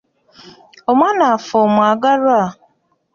Omwana waffe omwagalwa!